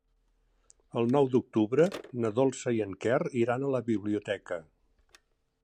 El nou d'octubre na Dolça i en Quer iran a la biblioteca.